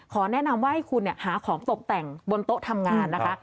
แนะนำว่าให้คุณหาของตกแต่งบนโต๊ะทำงานนะคะ